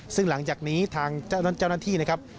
ซึ่งหลังจากนี้ทางเจ้าหน้าที่นะครับ